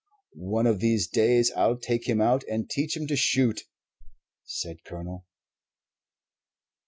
"One of these days I'll take him out and teach him to shoot," said the Colonel.